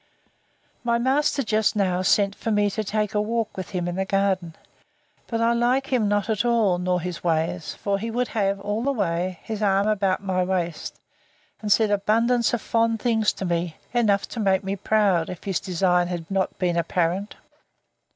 My master just now sent for me down to take a walk with him in the garden: but I like him not at all, nor his ways; for he would have, all the way, his arm about my waist, and said abundance of fond things to me, enough to make me proud, if his design had not been apparent.